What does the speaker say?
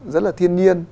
rất là thiên nhiên